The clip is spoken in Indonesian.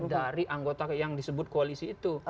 dari anggota yang disebut koalisi itu